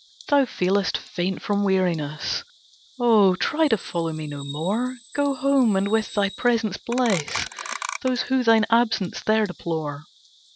Thou feelest faint from weariness, Oh try to follow me no more; Go home, and with thy presence bless Those who thine absence there deplore."